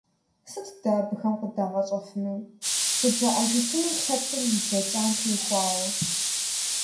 Сыт дэ абыхэм къыдагъэщӀэфэнур, къыджаӀэжыфынур лъэпкъым и блэкӀам теухуауэ?